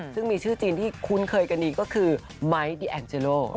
ซึ่งมีชื่อจีนที่คุ้นเคยกันดีก็คือไม้ดีแอนเจโล